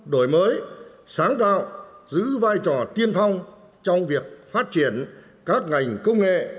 đổi mới sáng tạo giữ vai trò tiên phong trong việc phát triển các ngành công nghệ